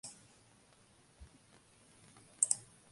Actualmente juega en la Serie B de Ecuador.